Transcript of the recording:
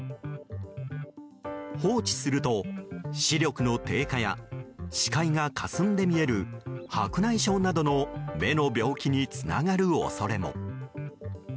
放置すると、視力の低下や視界がかすんで見える白内障などの目の病気につながる恐れも。